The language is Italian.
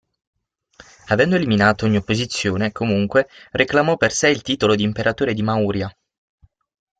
Avendo eliminato ogni opposizione, comunque, reclamò per sé il titolo di imperatore di Maurya.